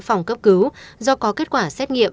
phòng cấp cứu do có kết quả xét nghiệm